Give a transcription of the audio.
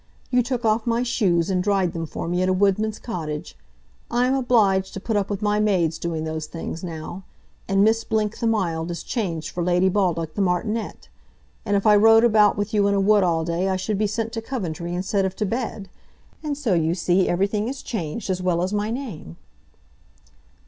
You took off my shoes and dried them for me at a woodman's cottage. I am obliged to put up with my maid's doing those things now. And Miss Blink the mild is changed for Lady Baldock the martinet. And if I rode about with you in a wood all day I should be sent to Coventry instead of to bed. And so you see everything is changed as well as my name."